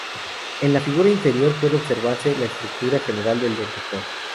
En la figura inferior puede observarse la estructura general del detector.